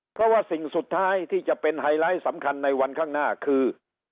เพราะว่าสิ่งสุดท้ายที่จะเป็นไฮไลท์สำคัญในวันข้างหน้าคือ